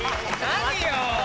何よ！